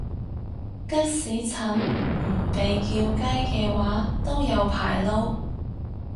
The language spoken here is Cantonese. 的士陳唔被叫雞嘅話都有排撈